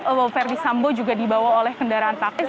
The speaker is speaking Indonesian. kalau ferdis sambo juga dibawa oleh kendaraan taktis